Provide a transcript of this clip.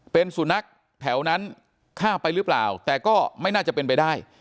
เป็นสุนัขแถวนั้นฆ่าไปหรือเปล่าแต่ก็ไม่น่าจะเป็นไปได้